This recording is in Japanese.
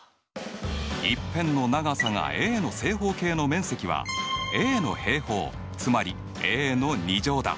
一辺の長さがａの正方形の面積はａの平方つまりａの２乗だ。